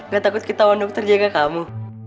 gak takut kita wawan dokter jaga kamu